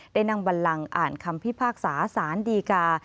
ได้นั่งบันลังอ่านคำพิพากษาสารดีกา